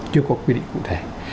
chưa có quy định cụ thể